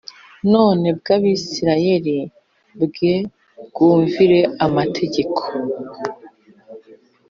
None mwa Bisirayeli mwe mwumvire amategeko